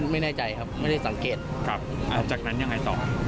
ไม่แน่ใจครับไม่ได้สังเกตจากนั้นยังไงต่อ